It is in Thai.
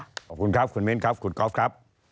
ขอบคุณครับคุณมิ้นครับคุณก๊อฟครับ